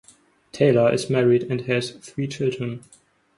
Taylor is married and has three children.